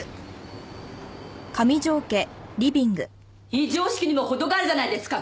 非常識にも程があるじゃないですか！